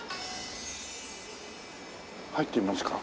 入ってみますか。